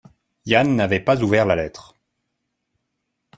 Yann n'avait pas ouvert la lettre.